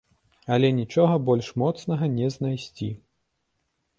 Але нічога больш моцнага не знайсці.